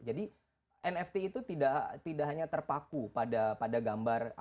jadi nft itu tidak hanya terpaku pada gambar